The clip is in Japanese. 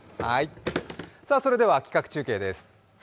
それでは企画中継です。